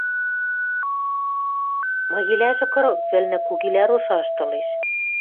Мыгилӓжӹ кырык вӹлнӹ, кугилӓ рошашты ылеш.